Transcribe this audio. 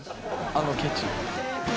あの「ケチ」。